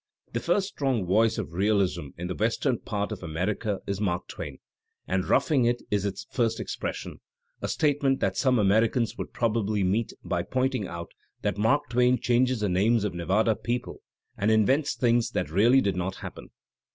The first strong voice of realism in the western part of America is Mark Twain, and "'Roughing It" is its first ex pression — a statement that some Americans would prob ably meet by pointing out that Mark Twain changes the names of Nevada people and invents things that really did not happen!